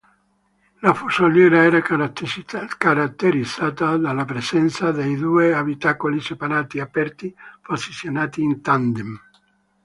La fusoliera era caratterizzata dalla presenza dei due abitacoli separati, aperti, posizionati in tandem.